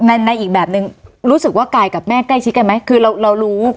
ในในอีกแบบนึงรู้สึกว่ากายกับแม่ใกล้ชิดกันไหมคือเราเรารู้